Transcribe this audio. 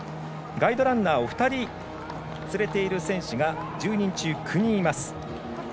ガイドランナーを２人連れている選手が１０人中９人います。